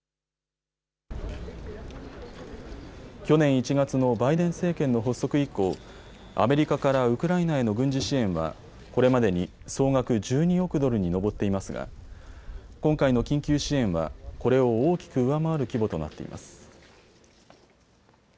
去年１月のバイデン政権の発足以降、アメリカからウクライナへの軍事支援はこれまでに総額１２億ドルに上っていますが今回の緊急支援は、これを大きく上回る規模となっています。